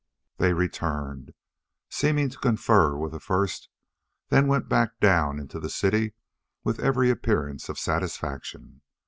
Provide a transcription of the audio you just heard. They returned, seeming to confer with the first, then went back down into the city with every appearance of satisfaction.